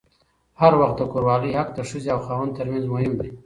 هر وخت د کوروالې حق د ښځې او خاوند ترمنځ مهم دی.